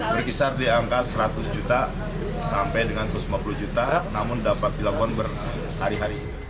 berkisar di angka seratus juta sampai dengan satu ratus lima puluh juta namun dapat dilakukan berhari hari